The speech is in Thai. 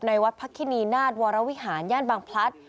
วัดพระคินีนาฏวรวิหารย่านบางพลัด